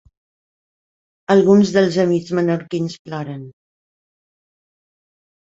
Alguns dels amics menorquins ploren.